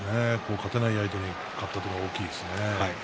勝てない相手に勝ったというのは大きいですね。